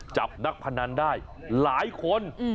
จับนักพนันได้หลายคน